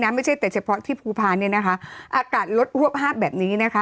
ไม่ใช่เฉพาะที่ภูภาคอากาศลดหัวภากแบบนี้